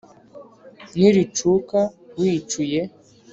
Niricuka wicuye